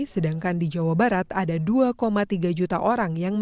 sedangkan di jawa barat ada dua tiga juta orang